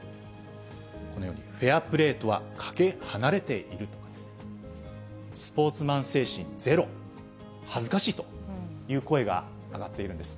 このように、フェアプレーとはかけ離れているとかですね、スポーツマン精神ゼロ、恥ずかしいという声が上がっているんです。